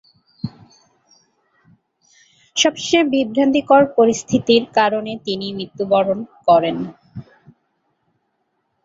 সবশেষে বিভ্রান্তিকর পরিস্থিতির কারণে তিনি মৃত্যুবরণ করেন।